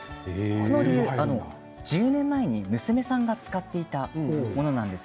その理由は１０年前に娘さんが実際に使っていたものなんです。